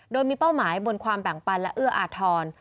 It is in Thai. โดยมีเป้าหมายบนความแบ่งปันและเอื้ออาทร